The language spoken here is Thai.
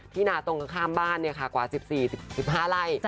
พี่นาตรงกับข้ามบ้านเนี่ยค่ะกว่า๑๔๑๕ไล่